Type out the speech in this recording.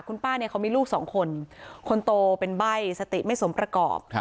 คุณป้าเนี่ยเขามีลูกสองคนคนโตเป็นใบ้สติไม่สมประกอบ